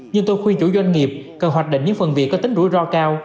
nhưng tôi khuyên chủ doanh nghiệp cần hoạch định những phần việc có tính rủi ro cao